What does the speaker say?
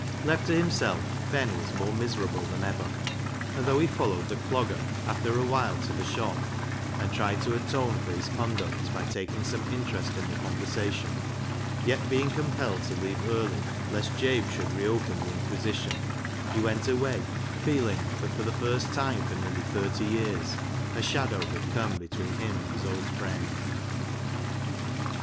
Left to himself, Ben was more miserable than ever. And though he followed the Clogger after awhile to the shop, and tried to atone for his conduct by taking some interest in the conversation, yet being compelled to leave early lest Jabe should reopen the inquisition, he went away, feeling that for the first time for nearly thirty years a shadow had come between him and his old friend.